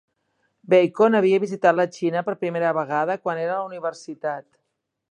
Bacon havia visitat la Xina per primera vegada quan era la universitat.